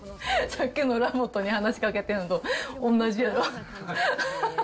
さっきのラボットに話しかけてんのと同じやろ？